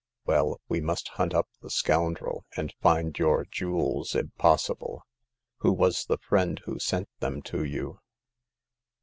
Well, we must hunt up the scoundrel, and find your jewels if possible. Who was the friend who sent them to you